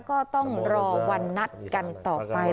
ก็ต้องรอวันนัดกันต่อไป